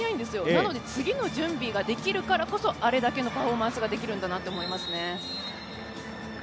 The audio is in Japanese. なので次の準備ができるからこそあれだけのパフォーマンスができるんだなと思いますね。